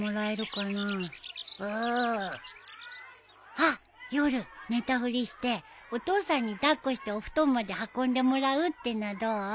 あっ夜寝たふりしてお父さんに抱っこしてお布団まで運んでもらうってのはどう？